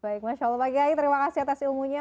baik masya allah pak gai terima kasih atas ilmunya